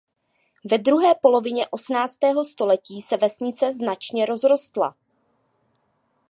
Ve druhé polovině osmnáctého století se vesnice značně rozrostla.